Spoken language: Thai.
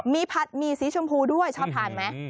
มีผัดหมี่สีชมพูด้วยชอบทานไหม